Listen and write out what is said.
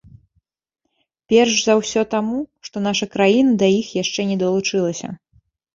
Перш за ўсё таму, што наша краіна да іх яшчэ не далучылася.